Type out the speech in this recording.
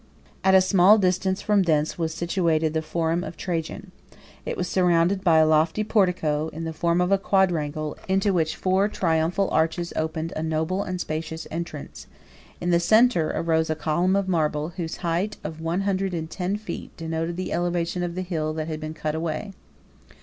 721 At a small distance from thence was situated the Forum of Trajan. It was surrounded by a lofty portico, in the form of a quadrangle, into which four triumphal arches opened a noble and spacious entrance: in the centre arose a column of marble, whose height, of one hundred and ten feet, denoted the elevation of the hill that had been cut away.